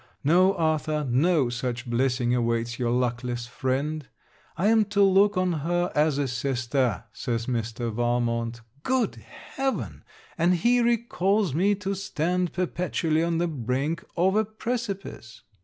No, Arthur, no such blessing awaits your luckless friend; I am to look on her as a sister, says Mr. Valmont. Good heaven! and he recals me to stand perpetually on the brink of a precipice!